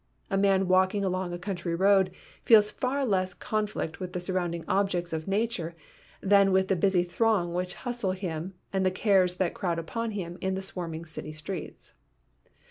A man walking along a country road feels far less conflict with the sur rounding objects of nature than with the busy throng which hustles him and the cares that crowd upon him in the swarming city streets.